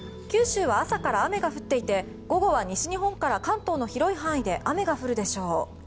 九州は朝から雨が降っていて午後は西日本から関東の広い範囲で雨が降るでしょう。